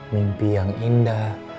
mimpi yang indah